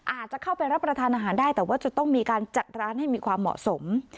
อาจจะเข้าไปรับประทานอาหารได้แต่ว่าจะต้องมีการจัดร้านให้มีความเหมาะสม